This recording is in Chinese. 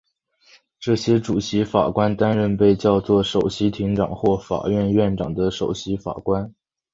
这些主席法官担任被叫作首席庭长或法院院长的首席法官。